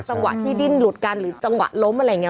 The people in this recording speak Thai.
จังหวะที่ดิ้นหลุดกันหรือจังหวะล้มอะไรอย่างนี้